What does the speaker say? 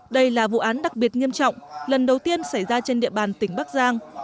đây là vụ án đặc biệt nghiêm trọng lần đầu tiên xảy ra trên địa bàn tỉnh bắc giang